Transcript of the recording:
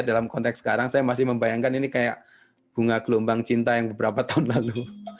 dalam konteks sekarang saya masih membayangkan ini kayak bunga gelombang cinta yang beberapa tahun lalu